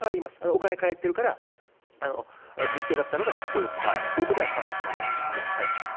お金返ってるから実刑だったのが執行猶予付くとか、そういうことは変わってくるかもしれませんけどね、裁判で。